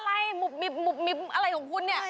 แล้วคุณดำอะไรมุบมิบมุบมิบอะไรของคุณเนี้ย